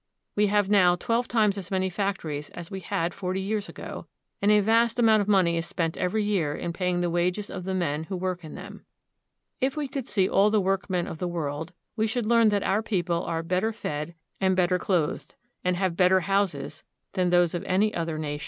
We have now twelve times as many factories as we had forty years ago, and a vast amount of money is spent every year in paying the wages of the men who work in them. If we could see all the workmen of the world, we should learn that our people are better fed, and better clothed, and have better houses than those of any other nation.